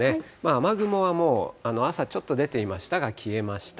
雨雲はもう朝ちょっと出ていましたが消えました。